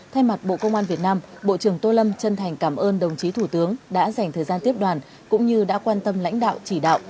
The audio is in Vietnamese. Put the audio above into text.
thay mặt bộ công an việt nam bộ trưởng tô lâm chân thành cảm ơn đồng chí thủ tướng đã dành thời gian tiếp đoàn cũng như đã quan tâm lãnh đạo chỉ đạo